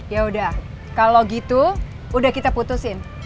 yaudah kalau gitu udah kita putusin